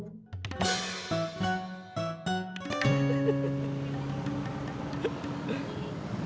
kok gak pake cuy